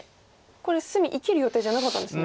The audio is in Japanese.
これ隅生きる予定じゃなかったんですね。